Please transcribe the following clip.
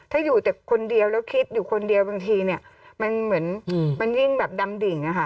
ถ้าอยู่แต่คนเดียวแล้วคิดอยู่คนเดียวบางทีเนี่ยมันเหมือนมันยิ่งแบบดำดิ่งอะค่ะ